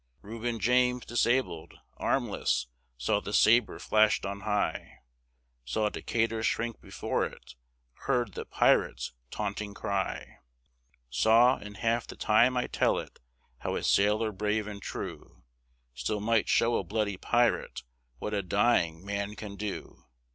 Reuben James, disabled, armless, saw the sabre flashed on high, Saw Decatur shrink before it, heard the pirate's taunting cry, Saw, in half the time I tell it, how a sailor brave and true Still might show a bloody pirate what a dying man can do.